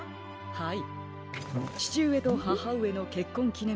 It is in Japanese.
はい。